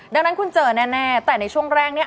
ดังนั้นคุณเจอแน่แต่ในช่วงแรกเนี่ย